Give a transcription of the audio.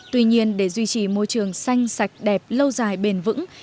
tuy nhiên để duy trì môi trường xanh sạch đẹp lâu dài bền vững